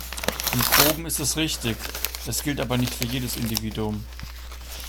Im Groben ist es richtig, es gilt aber nicht für jedes Individuum.